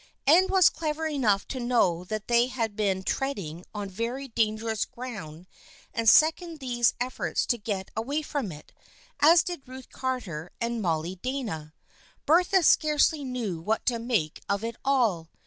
Anne was clever enough to know that they had been tread ing on very dangerous ground and seconded these efforts to get away from it, as did Ruth Carter and Mollie Dana. Bertha scarcely knew what to make of it all.